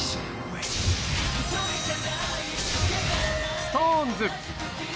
ＳｉｘＴＯＮＥＳ。